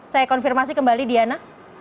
saya konfirmasi kembali diana